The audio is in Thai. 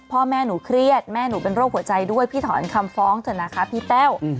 พ่อแม่หนูเครียดแม่หนูเป็นโรคหัวใจด้วยพี่ถอนคำฟ้องเถอะนะคะพี่แต้ว